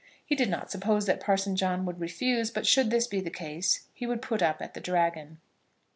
He did not suppose that Parson John would refuse; but should this be the case, he would put up at The Dragon.